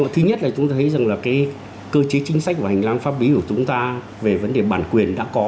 thứ nhất là chúng ta thấy rằng là cơ chế chính sách và hành lang pháp lý của chúng ta về vấn đề bản quyền đã có